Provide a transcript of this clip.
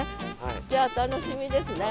じゃあ楽しみですね。